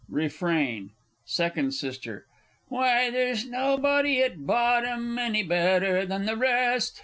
Refrain. Second S. Why, there's nobody at bottom any better than the rest!